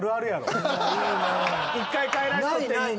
一回帰らしといて。